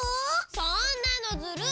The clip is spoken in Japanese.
そんなのずるいよ！